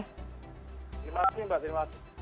terima kasih mbak terima